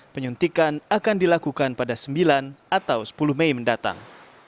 penyuntikan akan dilakukan pada sembilan atau sepuluh mei mendatang